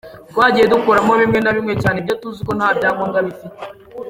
Twagiye dukuramo bimwe na bimwe cyane ibyo tuzi ko nta byangombwa bifite.